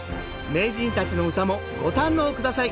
名人たちの唄もご堪能下さい